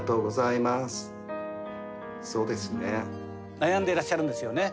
悩んでいらっしゃるんですよね。